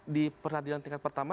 di perhadilan tingkat pertama